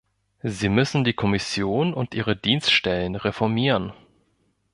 Sie müssen die Kommission und ihre Dienststellen reformieren.